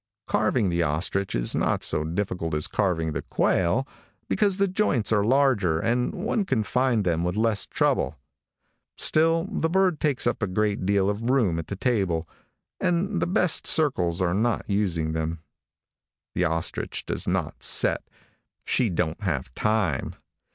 Carving the ostrich is not so difficult as carving the quail, because the joints are larger and one can find them with less trouble. Still, the bird takes up a great deal of room at the table, and the best circles are not using them. The ostrich does not set She don't have time.